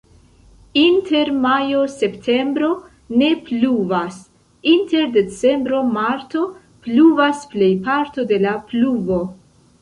Inter majo-septembro ne pluvas, inter decembro-marto pluvas plejparto de la pluvo.